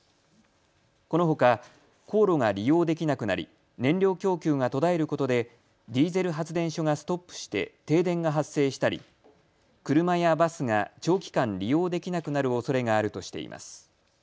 このほか航路が利用できなくなり燃料供給が途絶えることでディーゼル発電所がストップして停電が発生したり車やバスが長期間、利用できなくなるおそれがあるとしています。